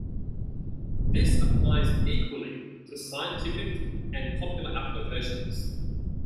This applies equally to scientific and popular applications.